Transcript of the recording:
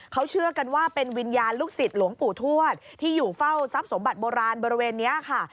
เขาเชื่อกันว่าเป็นวิญญาณลูกศิษย์หลวงปู่ทวดที่อยู่เฝ้าทรัพย์สมบัติโบราณบริเวณนี้ค่ะ